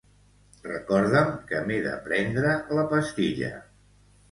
Recorda'm que m'he de prendre la pastilla.